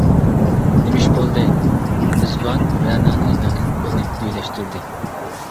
-نېمە ئىش بولدى؟ رىزۋان رەنانىڭ يېنىغا كېلىپ ئۇنى يۆلەشتۈردى.